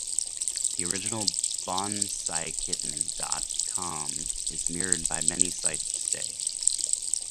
The original bonsaikitten dot com is mirrored by many sites today.